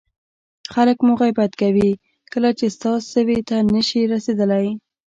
خلک مو غیبت کوي کله چې ستا سویې ته نه شي رسېدلی.